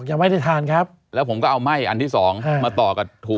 ยังไม่ได้ทานครับแล้วผมก็เอาไหม้อันที่สองมาต่อกับถู